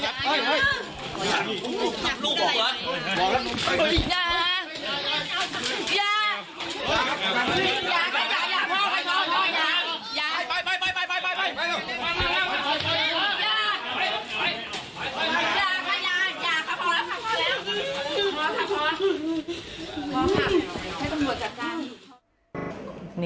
ยาค่ะอย่าอย่า